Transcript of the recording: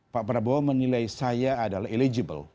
pak prabowo menilai saya adalah eligible